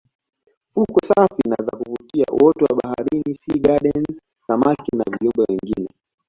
Fukwe safi na za kuvutia uoto wa baharini sea gardens samaki na viumbe wengine